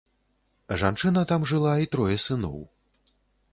Жанчына там жыла і трое сыноў.